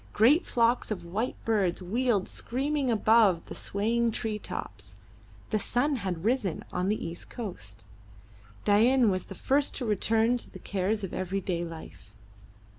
Great flocks of white birds wheeled screaming above the swaying tree tops. The sun had risen on the east coast. Dain was the first to return to the cares of everyday life.